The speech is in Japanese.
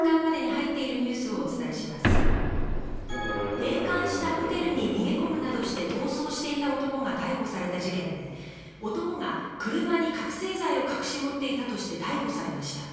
閉館したホテルに逃げ込むなどして逃走していた男が逮捕された事件で男が車に覚醒剤を隠し持っていたとして逮捕されました。